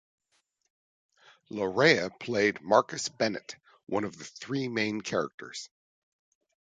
Laryea played Marcus Bennett, one of the three main characters.